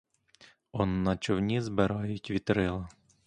Он на човні збирають вітрила!